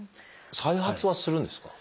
再発はするんですか？